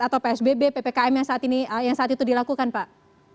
atau psbb ppkm yang saat itu dilakukan pak